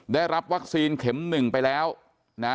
ได้รับวัคซีนเข็มหนึ่งไปแล้วนะ